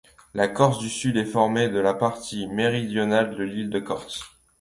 La Corse-du-Sud est formée de la partie méridionale de l'île de Corse.